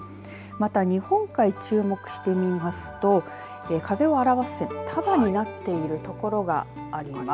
また、日本海注目して見ますと風を表す線束になっている所があります。